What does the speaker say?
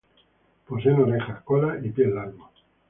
Poseen orejas, cola y pies largos.